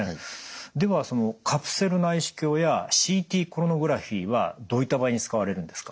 ではそのカプセル内視鏡やＣＴコロノグラフィーはどういった場合に使われるんですか？